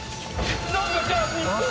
何かじゃあ日本だよ！